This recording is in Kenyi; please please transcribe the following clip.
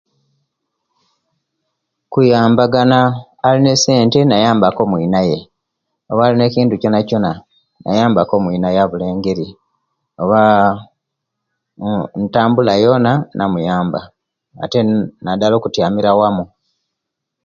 Kuyabagana alina essente nayambaku omwinaye oba alina ekintu kyonakyona nayambaku omwinaye abula engeri oba ntambula yona namuyamba ate naddala okutyamira wamo.